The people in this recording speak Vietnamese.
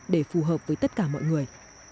để phù hợp với tất cả mọi người